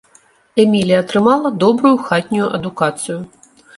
Эмілія атрымала добрую хатнюю адукацыю.